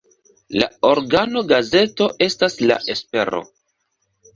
La organo-gazeto estas "La Espero".